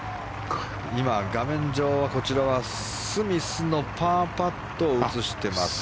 今、画面上はスミスのパーパットを映しています。